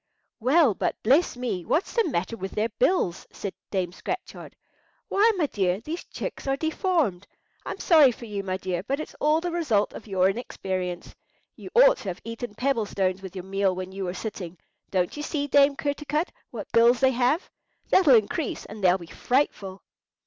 "Well, but bless me, what's the matter with their bills?" said Dame Scratchard. "Why, my dear, these chicks are deformed! I'm sorry for you, my dear; but it's all the result of your inexperience. You ought to have eaten pebble stones with your meal when you were sitting. Don't you see, Dame Kertarkut, what bills they have? That'll increase, and they'll be frightful!"